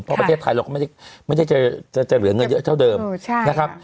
เพราะประเทศไทยเราก็ไม่ได้จะเหลือเงินเยอะเท่าเดิมนะครับ